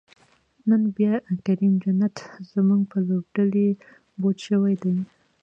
نن بیا کریم جنت زمونږ په لوبډلی بوج شوی دی